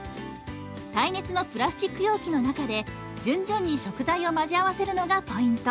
耐熱のプラスチック容器の中で順々に食材を混ぜ合わせるのがポイント。